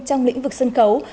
trong lĩnh vực sân khấu